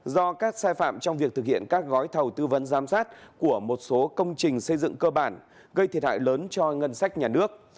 do các sai phạm trong việc thực hiện các gói thầu tư vấn giám sát của một số công trình xây dựng cơ bản gây thiệt hại lớn cho ngân sách nhà nước